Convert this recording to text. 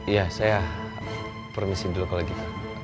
iya saya permisin dulu kalau gitu